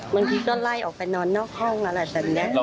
บางทีก็ไล่ออกไปนอนนอกห้องอะไรแบบนี้